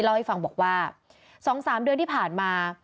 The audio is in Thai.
เล่าให้ฟังบอกว่า๒๓เดือนที่ผ่านมา